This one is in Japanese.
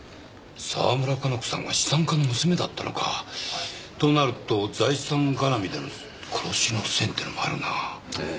沢村加奈子さんは資産家の娘だったのかとなると財産がらみでの殺しの線ってのもあるなええ